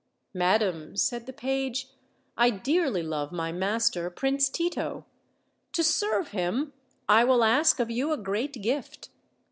''Madam," said the page, "I dearly love my master, Prince Tito; to serve him I will ask of you a great gift.